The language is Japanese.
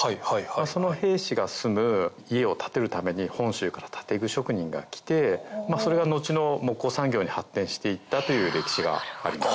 その兵士が住む家を建てるために本州から建具職人が来てそれが後の木工産業に発展していったという歴史があります。